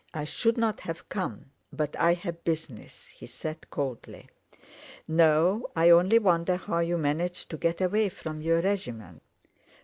I should not have come, but I have business," he said coldly. "No, I only wonder how you managed to get away from your regiment.